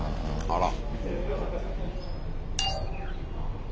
あら！